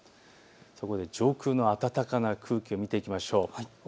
そこで上空の暖かな空気を見ていきましょう。